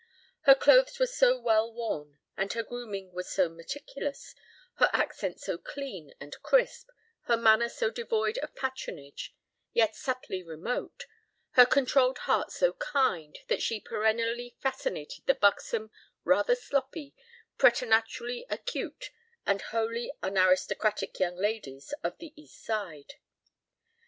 Her clothes were so well worn, and her grooming was so meticulous, her accent so clean and crisp, her manner so devoid of patronage, yet subtly remote, her controlled heart so kind that she perennially fascinated the buxom, rather sloppy, preternaturally acute, and wholly unaristocratic young ladies of the East Side.